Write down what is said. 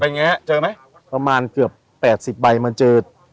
ไงฮะเจอไหมประมาณเกือบแปดสิบใบมันเจอ